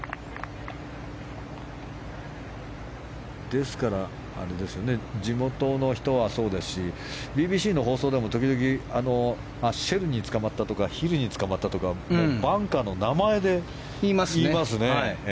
ですから、地元の人はそうですしＢＢＣの放送でも時々、シェルにつかまったとかヒルにつかまったとかバンカーの名前で言いますね。